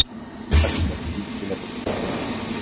Les pattes sont massives, et la tête épaisse.